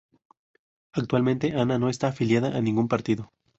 Actualmente, Ana no está afiliada a ningún partido.